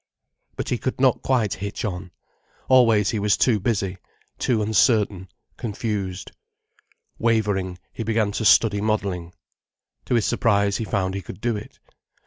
But he could not quite hitch on—always he was too busy, too uncertain, confused. Wavering, he began to study modelling. To his surprise he found he could do it.